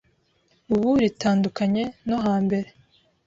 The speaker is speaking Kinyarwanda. ubu ritandukanye no hambere,